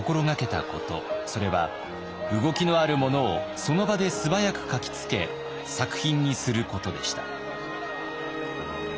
それは動きのあるものをその場で素早く描きつけ作品にすることでした。